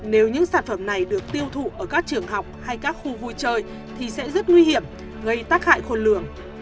nếu những sản phẩm này được tiêu thụ ở các trường học hay các khu vui chơi thì sẽ rất nguy hiểm gây tác hại khôn lường